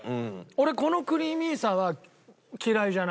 俺このクリーミーさは嫌いじゃないかな。